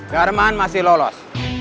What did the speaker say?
garman masih lolos